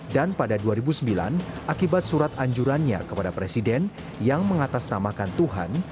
dan pada dua ribu sembilan akibat surat anjurannya kepada presiden yang mengatasnamakan tuhan